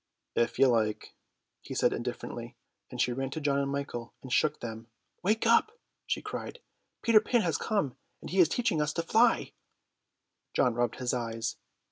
"If you like," he said indifferently, and she ran to John and Michael and shook them. "Wake up," she cried, "Peter Pan has come and he is to teach us to fly." John rubbed his eyes.